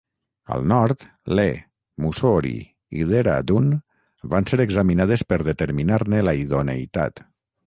Al nord, Leh, Mussoorie i Dehra Dun van ser examinades per determinar-ne la idoneïtat.